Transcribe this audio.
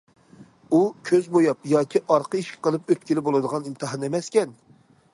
ئۇ، كۆز بوياپ ياكى ئارقا ئىشىك قىلىپ ئۆتكىلى بولىدىغان ئىمتىھان ئەمەسكەن.